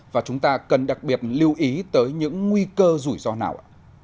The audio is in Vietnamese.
và chúng ta cần đặc biệt lưu ý tới những nguy cơ rủi ro nào ạ